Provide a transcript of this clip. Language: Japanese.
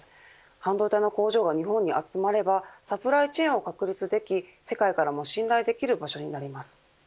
半導体の工場が日本に集まればサプライチェーンを確立でき世界からも信頼できる場所になります。